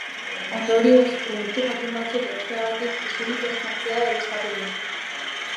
Ondorioz, produktu jakin batzuk erosteagatik isunik ez jartzea ere eskatu du.